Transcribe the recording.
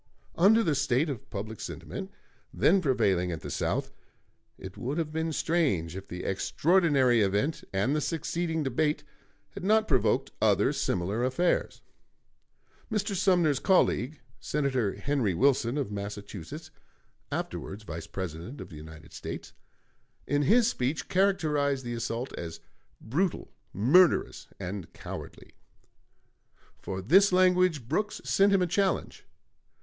Under the state of public sentiment then prevailing at the South, it would have been strange if the extraordinary event and the succeeding debate had not provoked other similar affairs. Mr. Sumner's colleague, Senator Henry Wilson, of Massachusetts (afterwards Vice President of the United States), in his speech characterized the assault as "brutal, murderous, and cowardly." For this language Brooks sent him a challenge.